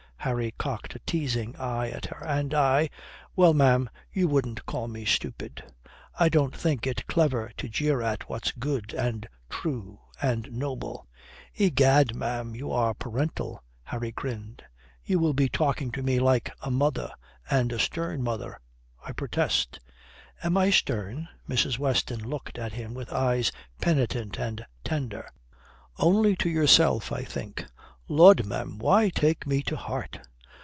Harry cocked a teasing eye at her. "And I well, ma'am, you wouldn't call me stupid." "I don't think it clever to jeer at what's good and true and noble." "Egad, ma'am, you are very parental!" Harry grinned. "You will be talking to me like a mother and a stern mother, I protest." "Am I stern?" Mrs. Weston looked at him with eyes penitent and tender. "Only to yourself, I think. Lud, ma'am, why take me to heart?"